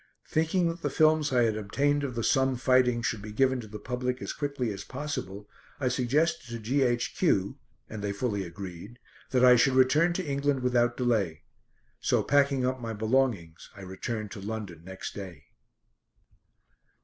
Thinking that the films I had obtained of the Somme fighting should be given to the public as quickly as possible, I suggested to G.H.Q. and they fully agreed that I should return to England without delay. So packing up my belongings I returned to London next day.